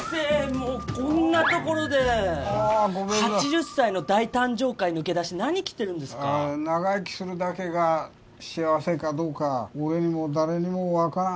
もうこんなところで８０歳の大誕生会抜け出して何きてるんですか長生きするだけが幸せかどうか俺にも誰にも分からん